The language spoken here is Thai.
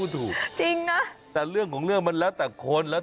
ดูอ่างน้ำมนดิ